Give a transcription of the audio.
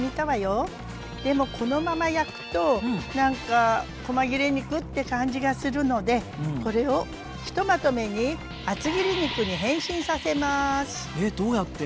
でもこのまま焼くとなんかこま切れ肉って感じがするのでこれをひとまとめにえっどうやって？